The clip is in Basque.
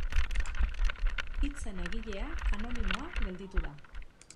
Hitzen egilea anonimoa gelditu da.